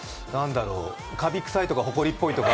かび臭いとかほこりっぽいとか？